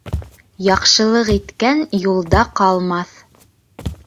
Яҡшылыҡ иткән юлда ҡалмаҫ